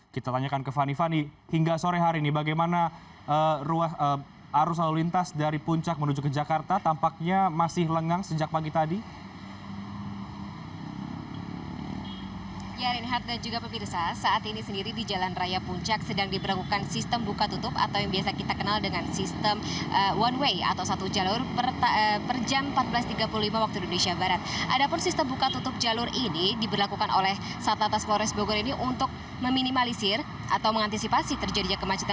kita tanyakan ke fani fani hingga sore hari ini bagaimana arus lalu lintas dari puncak menuju ke jakarta tampaknya masih lengang sejak pagi tadi